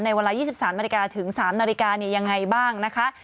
ในวันละ๒๓นถึง๓นยังไงบ้างนะคะ